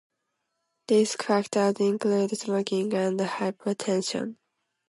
Risk factors include smoking and hypertension.